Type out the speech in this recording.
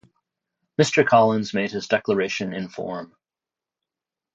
Mr. Collins made his declaration in form.